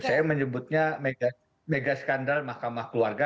saya menyebutnya mega skandal mahkamah keluarga